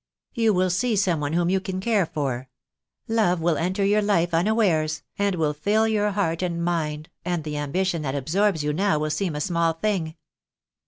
You will see some one whom you can care for. Love will enter your life unawares, and will fill your heart and mind, and the ambition that absorbs you now will seem a small thing."